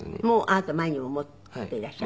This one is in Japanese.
あなた前にも持っていらっしゃる。